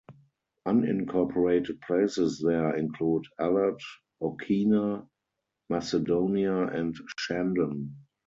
Unincorporated places there include Alert, Okeana, Macedonia, and Shandon.